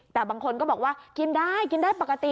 แต่บางคนก็บอกว่ากินได้กินได้ปกติ